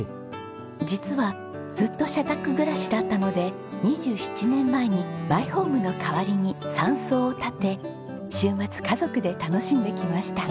実はずっと社宅暮らしだったので２７年前にマイホームの代わりに山荘を建て週末家族で楽しんできました。